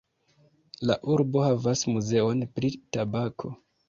La urbo havas muzeon pri tabako.